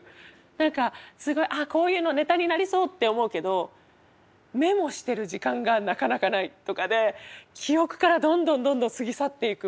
何かあっこういうのネタになりそうって思うけどメモしてる時間がなかなかないとかで記憶からどんどんどんどん過ぎ去っていく。